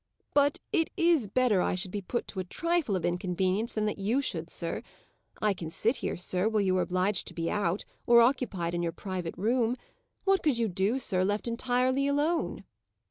"But it is better I should be put to a trifle of inconvenience than that you should, sir. I can sit here, sir, while you are obliged to be out, or occupied in your private room. What could you do, sir, left entirely alone?"